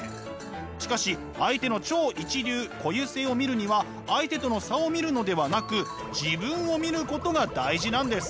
しかし相手の「超一流」「固有性」を見るには相手との差を見るのではなく「自分」を見ることが大事なんです！